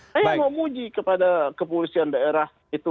saya mau muji kepada kepolisian daerah itu